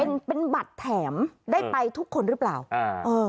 เป็นเป็นบัตรแถมได้ไปทุกคนหรือเปล่าอ่าเออ